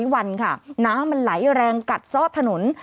เขาฝนตกหนักหลายวันค่ะน้ำมันไหลแรงกัดซ่อดถนน